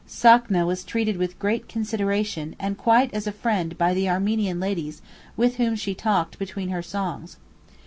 Sakna was treated with great consideration and quite as a friend by the Armenian ladies with whom she talked between her songs.